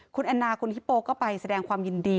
คุณแอนนาคุณฮิปโปก็ไปแสดงความยินดี